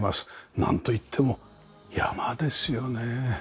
なんといっても山ですよね。